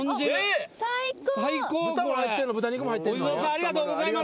ありがとうございます。